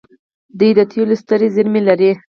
دوی د تیلو سترې زیرمې لري.